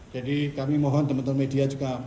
jadi kami mohon teman teman media juga